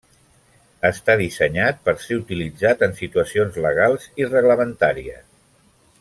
Està dissenyat per ser utilitzat en situacions legals i reglamentàries.